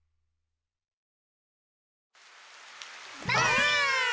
ばあっ！